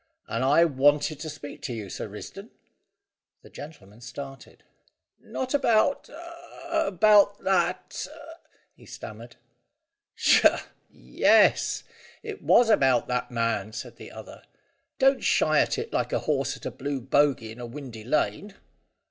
And I wanted to speak to you, Sir Risdon." The gentleman started. "Not about about that " he stammered. "Tchah! Yes. It was about that, man," said the other. "Don't shy at it like a horse at a blue bogey in a windy lane."